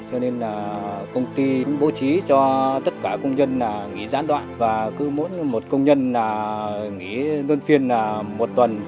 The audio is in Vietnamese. cho nên công ty cũng bố trí cho tất cả công nhân nghỉ giãn đoạn và cứ mỗi một công nhân nghỉ đơn phiên một tuần